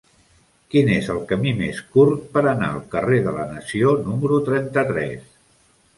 Quin és el camí més curt per anar al carrer de la Nació número trenta-tres?